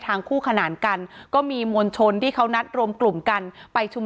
คู่ขนานกันก็มีมวลชนที่เขานัดรวมกลุ่มกันไปชุมนุม